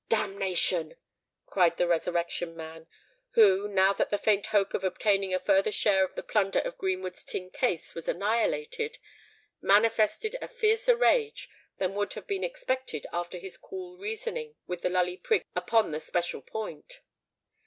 "Damnation!" cried the Resurrection Man, who, now that the faint hope of obtaining a further share of the plunder of Greenwood's tin case was annihilated, manifested a fiercer rage than would have been expected after his cool reasoning with the Lully Prig upon the special point.